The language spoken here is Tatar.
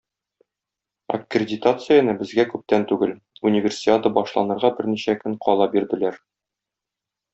Аккредитацияне безгә күптән түгел - Универсиада башланырга берничә көн кала бирделәр.